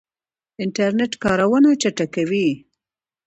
انټرنیټ کارونه چټکوي